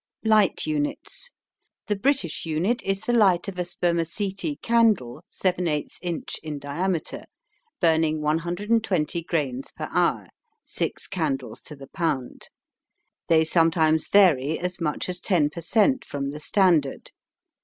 LIGHT UNITS The British Unit is the light of a spermaceti candle 7/8 inch in diameter, burning 120 grains per hour (six candles to the pound). They sometimes vary as much as 10 per cent, from the standard.